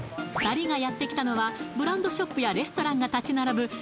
２人がやってきたのはブランドショップやレストランが立ち並ぶ